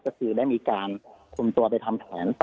ก็คือได้มีการคุมตัวไปทำแผน